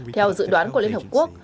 theo dự đoán của liên hợp quốc